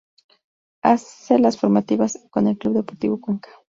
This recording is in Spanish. Hace las formativas con el Club Deportivo Cuenca.